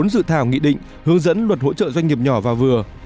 bốn dự thảo nghị định hướng dẫn luật hỗ trợ doanh nghiệp nhỏ và vừa